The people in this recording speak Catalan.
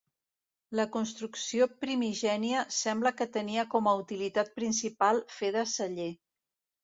La construcció primigènia sembla que tenia com a utilitat principal fer de celler.